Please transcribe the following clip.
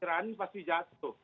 tirani pasti jatuh